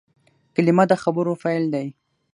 کلیمه د خبرو پیل دئ.